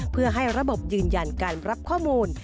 เพื่อให้ระบบยืนยันการรับข้อมูล